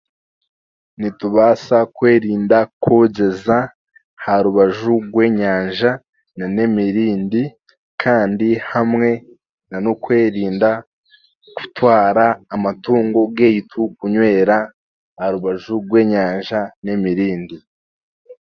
Nitubaasa kwerinda kw'ogyeza aha rubaju rw'enyanja nan'emirindi kandi hamwe nan'okwerinda kutwara amatungo gaitu kunywera aha rubaju rw'enyanja n'emirindi